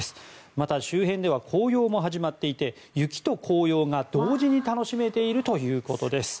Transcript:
また周辺では紅葉も始まっていて雪と紅葉が同時に楽しめているということです。